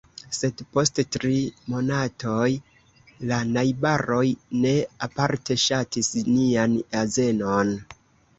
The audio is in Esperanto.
Sed, post tri monatoj, la najbaroj ne aparte ŝatis nian azenon.